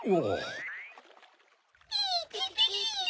ピピピ。